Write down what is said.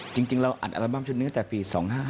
จริงเราอัดอัลบั้มชุดนี้ตั้งแต่ปี๒๕๕